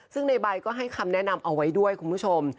ซึ่งในใบก็ให้คำแนะนำเอาไว้ด้วยคุณผู้ชม